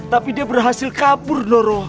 tapi dia berhasil kabur noro